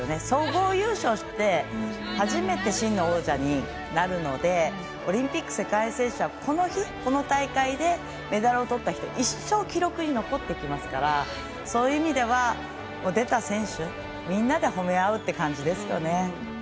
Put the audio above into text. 総合優勝して初めて真の王者になるのでオリンピック、世界選手権はその日、その大会でメダルをとった人一生記録に残ってきますからそういう意味では出た選手みんなでほめあうって感じですよね。